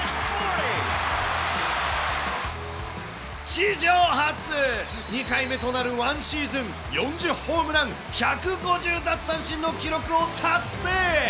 史上初、２回目となる１シーズン４０ホームラン１５０奪三振の記録を達成。